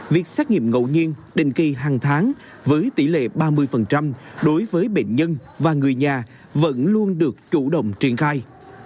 việc xét nghiệm ngẫu nhiên định kỳ hàng tháng với tỷ lệ ba mươi đối với bệnh nhân và người nhà vẫn luôn được chủ động triển khai